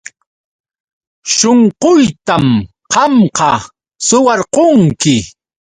Shunquytam qamqa suwarqunki.